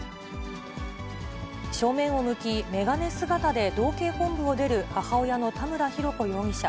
正面を向き、眼鏡姿で道警本部を出る母親の田村浩子容疑者。